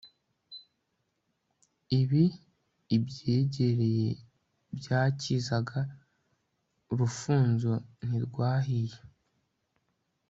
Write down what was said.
iba ibyegereye byakizaga, urufunzo ntirwahiye